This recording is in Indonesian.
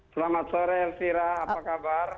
selamat sore elvira apa kabar